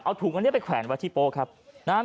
เอาถุงอันนี้ไปแขวนวัฒิโปร์ครับนะฮะ